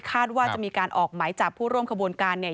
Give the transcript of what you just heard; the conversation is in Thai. ว่าจะมีการออกหมายจับผู้ร่วมขบวนการเนี่ย